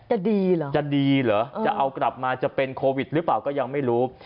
จะดีเหรอจะดีเหรอจะเอากลับมาจะเป็นโควิดหรือเปล่าก็ยังไม่รู้